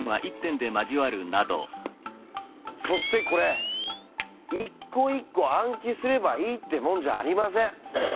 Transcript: そしてこれ一個一個暗記すればいいってもんじゃありません。